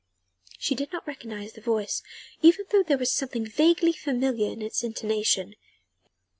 She did not recognise the voice, even though there was something vaguely familiar in its intonation.